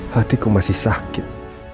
hatiku masih sakit